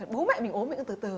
bố mẹ mình ốm thì cứ được từ từ